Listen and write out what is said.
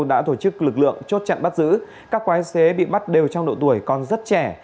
đã tổ chức lực lượng chốt chặn bắt giữ các quái xế bị bắt đều trong độ tuổi còn rất trẻ